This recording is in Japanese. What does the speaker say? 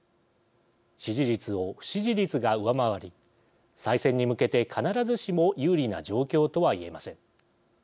支持率を不支持率が上回り再選に向けて必ずしも有利な状況とは言えません。